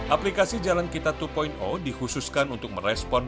aplikasi jalan kita dua dikhususkan untuk merespon